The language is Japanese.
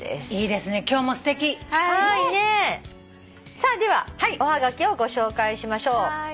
さあではおはがきをご紹介しましょう。